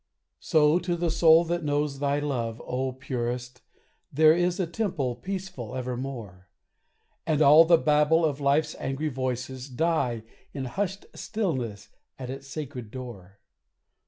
So to the soul that knows thy love, O Purest, There is a temple peaceful evermore! And all the babble of life's angry voices Die in hushed stillness at its sacred door.